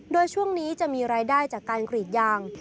โดยช่วงนี้จะมีรายได้จากการกรีดยาง